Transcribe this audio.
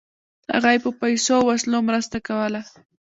هغه یې په پیسو او وسلو مرسته کوله.